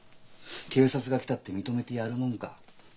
警察が来たって認めてやるもんか。